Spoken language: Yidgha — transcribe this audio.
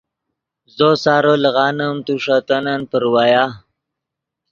زو سارو لیغانیم تو ݰے تنن پراویا